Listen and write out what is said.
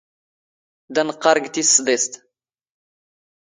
ⴷⴰ ⵏⵇⵇⴰⵔ ⴳ ⵜⵉⵙ ⵙⴹⵉⵙⵜ.